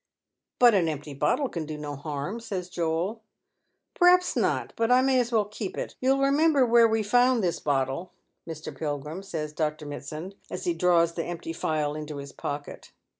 " But an empty bottle can do no harm," says Joel, " Perhaps not, but I may as well keep it. You'll remember where we found this bottle, Mr. Pilgiim," says Dr. Mitsand, as he drops the empty phial into his pocket.